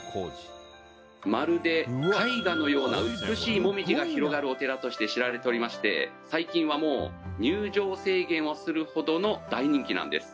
「まるで絵画のような美しい紅葉が広がるお寺として知られておりまして最近はもう入場制限をするほどの大人気なんです」